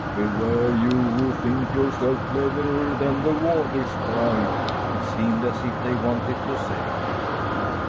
"Beware, you who think yourself cleverer than the Water Sprite!" it seemed as if they wanted to say.